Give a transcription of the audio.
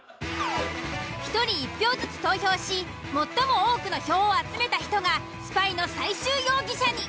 １人１票ずつ投票し最も多くの票を集めた人がスパイの最終容疑者に。